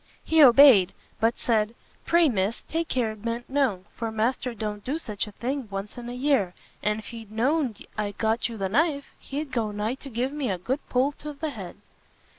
He obeyed, but said "Pray Miss, take care it ben't known, for master don't do such a thing once in a year, and if he know'd I'd got you the knife, he'd go nigh to give me a good polt of the head."